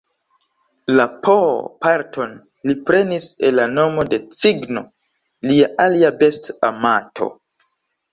La "pooh"-parton li prenis el la nomo de cigno, lia alia besta amato.